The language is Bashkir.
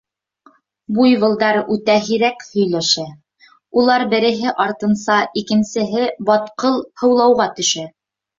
Буйволдар үтә һирәк «һөйләшә», улар береһе артынса икенсеһе батҡыл һыулауға төшә.